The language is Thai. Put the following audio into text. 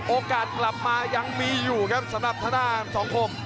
โอกาสกลับมายังมีอยู่ครับสำหรับทางด้านสองคม